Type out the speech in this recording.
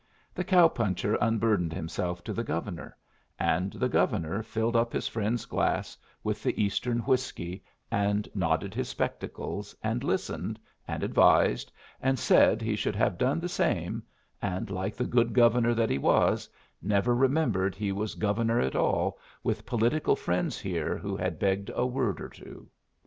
The cow puncher unburdened himself to the Governor; and the Governor filled up his friend's glass with the Eastern whiskey, and nodded his spectacles, and listened, and advised, and said he should have done the same, and like the good Governor that he was, never remembered he was Governor at all with political friends here who had begged a word or two.